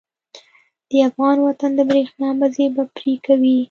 د افغان وطن د برېښنا مزی به پرې کوي.